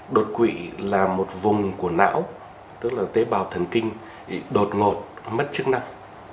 đột quỵ là một vùng của não tức là tế bào thần kinh đột ngột mất chức năng